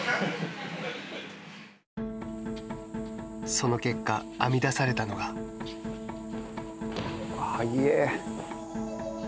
その結果、編み出されたのが。はえー。